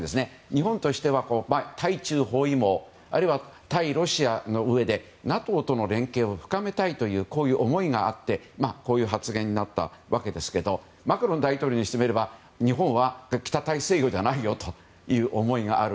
日本としては対中包囲網あるいは対ロシアのうえでＮＡＴＯとの連携を深めたいという思いがあってこういう発言になったわけですけどマクロン大統領にしてみれば日本は北大西洋じゃないよという思いがある。